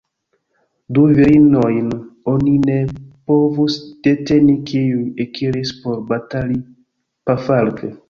Du virinojn oni ne povus deteni, kiuj ekiris por batali pafarke.